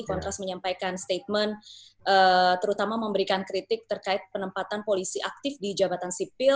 kontras menyampaikan statement terutama memberikan kritik terkait penempatan polisi aktif di jabatan sipil